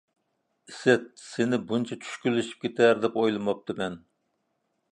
ئىسىت، سېنى بۇنچە چۈشكۈنلىشىپ كېتەر دەپ ئويلىماپتىمەن.